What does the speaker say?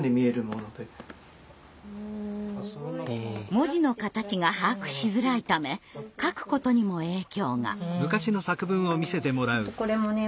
文字の形が把握しづらいため書くことにも影響が。